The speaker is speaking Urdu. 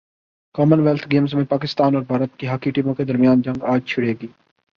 کامن ویلتھ گیمز میں پاکستان اور بھارت کی ہاکی ٹیموں کے درمیان جنگ اج چھڑے گی